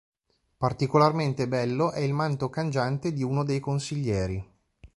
Particolarmente bello è il manto cangiante di uno dei consiglieri.